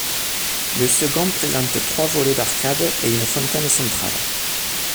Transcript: Le second présente trois volées d'arcades et une fontaine centrale.